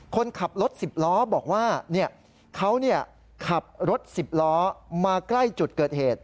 คนขับรถ๑๐ล้อบอกว่าเขาขับรถ๑๐ล้อมาใกล้จุดเกิดเหตุ